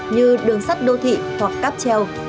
như đường sắt đô thị hoặc cắp treo